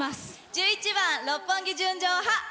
１１番「六本木純情派」。